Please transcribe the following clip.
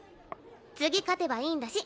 次勝てばいいんだし。